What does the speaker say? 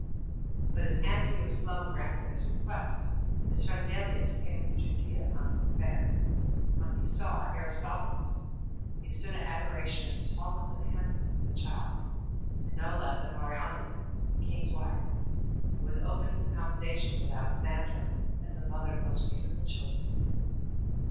6. But as Antony was slow in granting this request, his friend Dellius 3 came into Judea upon some affairs; and when he saw Aristobulus, he stood in admiration at the tallness and handsomeness of the child, and no less at Mariamne, the king's wife, and was open in his commendations of Alexandra, as the mother of most beautiful children.